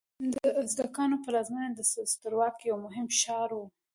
د ازتکانو پلازمینه د سترواکۍ یو مهم ښار و.